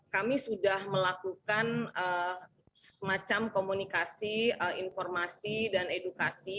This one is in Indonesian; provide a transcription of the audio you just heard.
kami sudah melakukan semacam komunikasi informasi dan edukasi